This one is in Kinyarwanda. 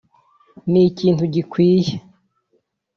ni ikintu gikwiye